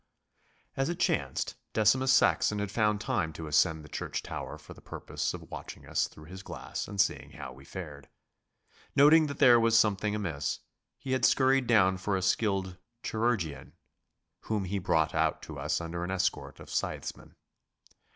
As it chanced, Decimus Saxon had found time to ascend the church tower for the purpose of watching us through his glass and seeing how we fared. Noting that there was something amiss, he had hurried down for a skilled chirurgeon, whom he brought out to us under an escort of scythesmen.